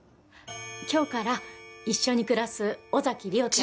今日から一緒に暮らす尾崎莉桜ちゃん